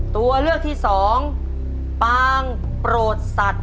ตัวเลือกที่สองปางโปรดสัตว์